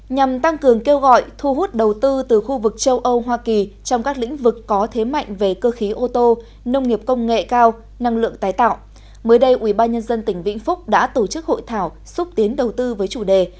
nhằm tăng cường kêu gọi thu hút đầu tư từ khu vực châu âu hoa kỳ trong các lĩnh vực có thế mạnh về cơ khí ô tô nông nghiệp công nghệ cao năng lượng tái tạo mới đây ubnd tỉnh vĩnh phúc đã tổ chức hội thảo xúc tiến đầu tư với chủ đề